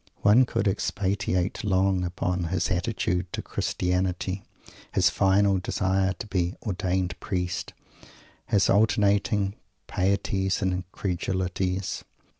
_ One could expatiate long upon his attitude to Christianity his final desire to be "ordained Priest" his alternating pieties and incredulities.